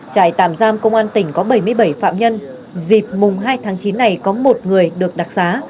trại tạm giam công an tỉnh có bảy mươi bảy phạm nhân dịp mùng hai tháng chín này có một người được đặc xá